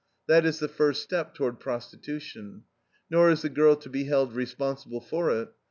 That is the first step toward prostitution. Nor is the girl to be held responsible for it.